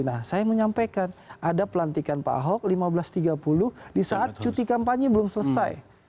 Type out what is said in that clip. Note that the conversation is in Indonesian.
nah saya menyampaikan ada pelantikan pak ahok lima belas tiga puluh di saat cuti kampanye belum selesai